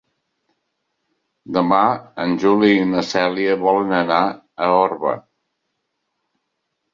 Demà en Juli i na Cèlia volen anar a Orba.